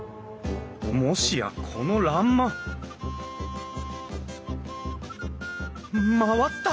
もしやこの欄間回った！